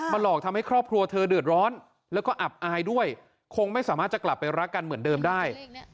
หลอกทำให้ครอบครัวเธอเดือดร้อนแล้วก็อับอายด้วยคงไม่สามารถจะกลับไปรักกันเหมือนเดิมได้